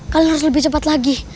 kalau harus lebih cepat lagi